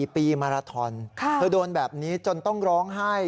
ปีมาราทอนเธอโดนแบบนี้จนต้องร้องไห้